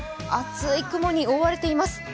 厚い雲に覆われています。